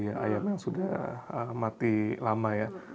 iya ayam yang sudah mati lama ya